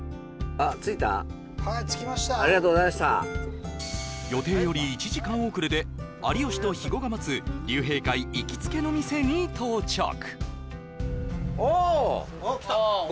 ありがとうございました予定より１時間遅れで有吉と肥後が待つ竜兵会行きつけの店に到着おお！